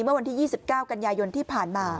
เมื่อวันที่๒๙กันยายนที่ผ่านมา